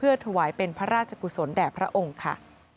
เพื่อถวายเป็นภรราชกุศลแห่งแห่งพระองค์ข่ะ